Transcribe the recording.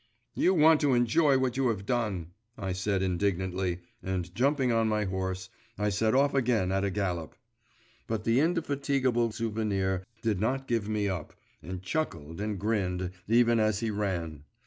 'You want to enjoy what you have done,' I said indignantly, and, jumping on my horse, I set off again at a gallop. But the indefatigable Souvenir did not give me up, and chuckled and grinned, even as he ran.